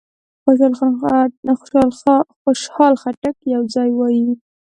خوشحال خټک یو ځای وایي.